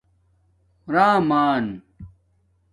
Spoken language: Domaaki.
رَم آن